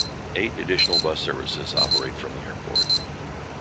Eight additional bus services operate from the airport.